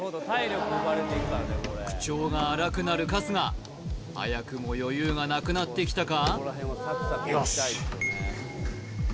口調が荒くなる春日早くも余裕がなくなってきたか？